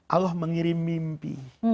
allah mengirim mimpi